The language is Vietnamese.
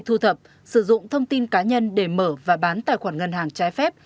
thu thập sử dụng thông tin cá nhân để mở và bán tài khoản ngân hàng trái phép